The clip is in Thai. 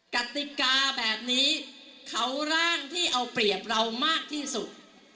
กติกาแบบนี้เขาร่างที่เอาเปรียบเรามากที่สุด